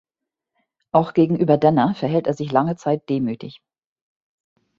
Auch gegenüber Denner verhält er sich lange Zeit demütig.